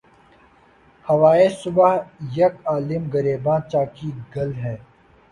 ہوائے صبح یک عالم گریباں چاکی گل ہے